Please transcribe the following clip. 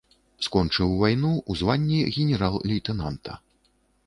Скончыў вайну ў званні генерал-лейтэнанта.